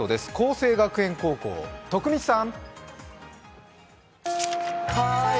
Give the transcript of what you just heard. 佼成学園高校、徳光さん。